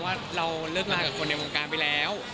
ว่าเราเลิกลากับคนในวงการไปแล้ว